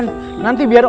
aku mau pergi ke rumah